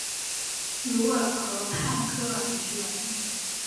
卢尔河畔科尔尼隆。